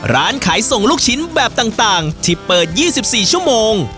ร้านขายส่งลูกชิ้นแบบต่างต่างที่เปิดยี่สิบสี่ชั่วโมง